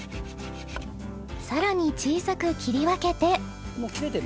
［さらに小さく切り分けて］